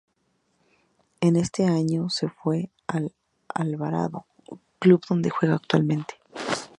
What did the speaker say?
En ese año se fue al Alvarado, club en donde juega actualmente.